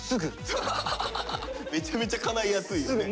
めちゃめちゃかないやすいよね。